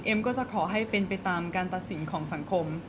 ก็จะขอให้เป็นไปตามการตัดสินของสังคม